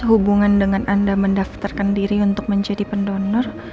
hubungan dengan anda mendaftarkan diri untuk menjadi pendonor